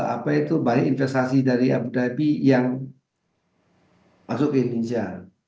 apa itu baik investasi dari abu dhabi yang masuk ke indonesia